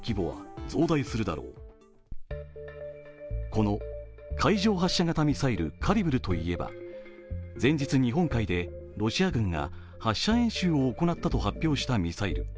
この海上発射型ミサイル・カリブルといえば、前日、日本海でロシア軍が発射演習を行ったと発表したミサイル。